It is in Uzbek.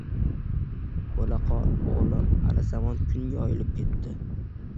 Bo‘la qol, o‘g‘lim, hali-zamon kun yoyilib ketadi.